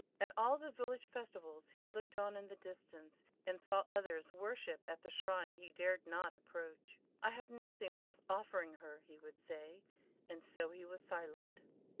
At all the village festivals he looked on in the distance, and saw others worship at the shrine he dared not approach. "I have nothing worth offering her," he would say, and so he was silent.